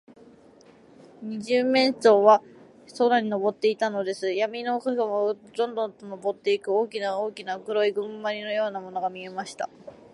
二十面相は空にのぼっていたのです。やみの空を、ぐんぐんとのぼっていく、大きな大きな黒いゴムまりのようなものが見えました。